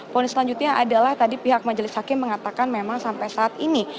ponis selanjutnya adalah tadi pihak majelis hakim mengatakan memang sampai saat ini